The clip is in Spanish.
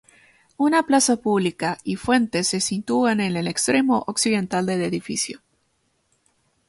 Una plaza pública y fuente se sitúan en el extremo occidental del edificio.